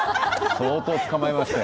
相当、捕まえましたよ。